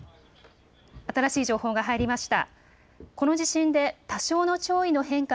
新しい情報が入りました。